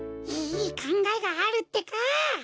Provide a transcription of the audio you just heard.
いいかんがえがあるってか！